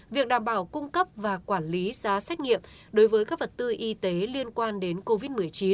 việc đảm bảo cung cấp và quản lý giá xét nghiệm đối với các vật tư y tế liên quan đến covid một mươi chín